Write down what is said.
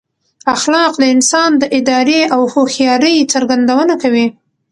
اخلاق د انسان د ارادې او هوښیارۍ څرګندونه کوي.